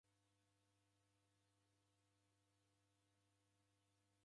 Haki ra w'ana ni suti rinughilo.